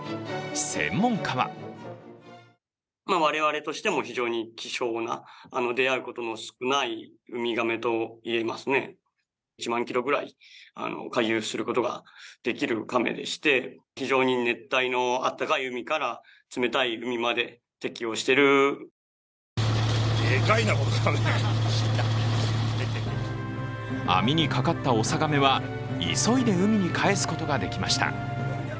専門家は網にかかったオサガメは急いで海にかえすことができました。